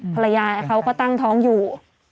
ภรรยาเขาก็ตั้งท้องอยู่